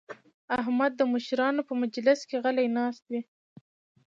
احمد د مشرانو په مجلس کې غلی ناست وي.